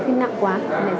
thì rất là đáng tiếc